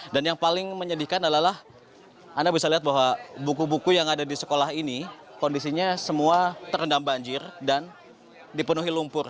dan yang paling menyedihkan adalah anda bisa lihat bahwa buku buku yang ada di sekolah ini kondisinya semua terendam banjir dan dipenuhi lumpur